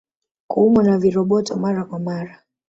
Kuumwa na viroboto Mara kwa mara